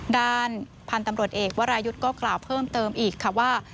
ด้านพันธุ์ตำรวจเอกวรายุทธ์ก็กล่าวเพิ่มเติมอีกค่ะว่า